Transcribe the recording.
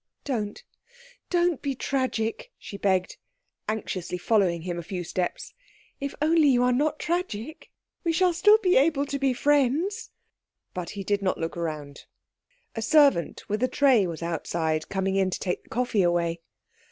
"Don't, don't be tragic," she begged, anxiously following him a few steps. "If only you are not tragic we shall still be able to be friends " But he did not look round. A servant with a tray was outside coming in to take the coffee away.